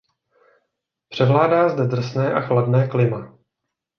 Převládá zde drsné a chladné klima.